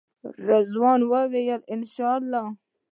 رضوان وویل انشاالله.